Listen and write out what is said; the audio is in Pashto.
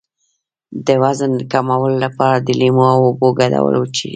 د وزن کمولو لپاره د لیمو او اوبو ګډول وڅښئ